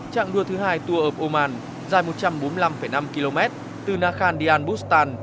trạng đua thứ hai tour of oman dài một trăm bốn mươi năm năm km từ nakhan dian bustan